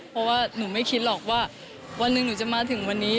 เพราะว่าหนูไม่คิดหรอกว่าวันหนึ่งหนูจะมาถึงวันนี้